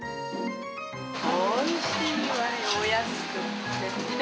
おいしいわよ、お安くって。